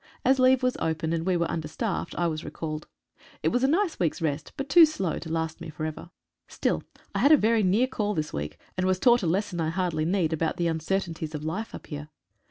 As leave was open, and we were understaffed, I was recalled. It was a nice week's rest, but too slow to last me for ever. Still, I had a very near call this week, and was taught a lesson, I hardly need, about the uncertain ties of life up here.